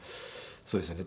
そうですね。